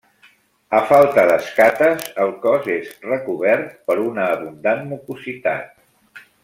A falta d'escates, el cos és recobert per una abundant mucositat.